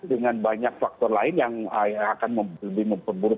dengan banyak faktor lain yang akan lebih memperburuk